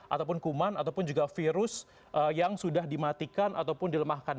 ataupun kuman ataupun juga virus yang sudah dimatikan ataupun dilemahkan